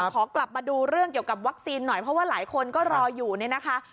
ขอกลับมาดูเรื่องเกี่ยวกับวัคซีนหน่อยเพราะว่าหลายคนก็รออยู่เนี่ยนะคะ